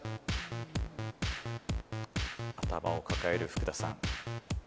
頭を抱える福田さん。